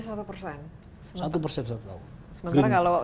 sementara kalau sekarang rate